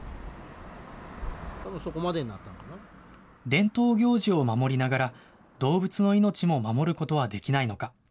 伝統行事を守りながら、動物の命も守ることはできないのか。